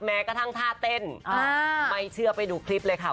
แม้กระทั่งท่าเต้นไม่เชื่อไปดูคลิปเลยค่ะ